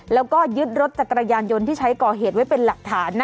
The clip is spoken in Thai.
แล้วก็ยึดรถจักรยานยนต์ที่ใช้ก่อเหตุไว้เป็นหลักฐานนะ